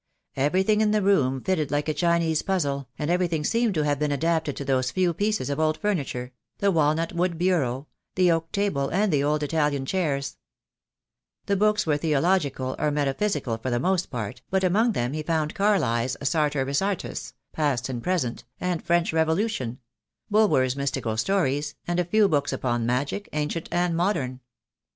Everything in the room fitted like a Chinese puzzle, and everything seemed to have been adapted to those few THE DAY WILL COAIE. I 25 pieces of old furniture — the walnut wood bureau, the oak table, and the old Italian chairs. The books were theo logical or metaphysical for the most part, but among them he found Carlyle's "Sartor Resartus," "Past and Present," and "French Revolution;" Bulwer's mystical stories, and a few books upon magic, ancient and modern.